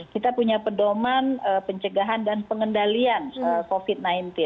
kita punya pedoman pencegahan dan pengendalian covid sembilan belas